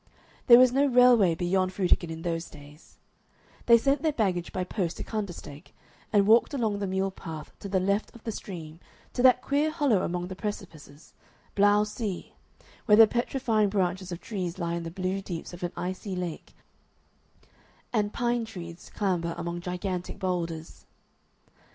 There was no railway beyond Frutigen in those days; they sent their baggage by post to Kandersteg, and walked along the mule path to the left of the stream to that queer hollow among the precipices, Blau See, where the petrifying branches of trees lie in the blue deeps of an icy lake, and pine trees clamber among gigantic boulders.